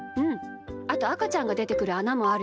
あとあかちゃんがでてくるあなもあるよ。